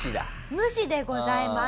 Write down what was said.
無視でございます。